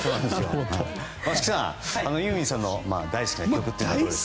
松木さん、ユーミンさんの大好きな曲とかありますか。